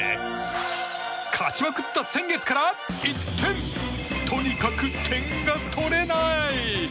勝ちまくった先月から一転とにかく点が取れない。